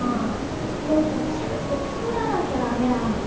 もっとちゃんとつくらなきゃダメだ。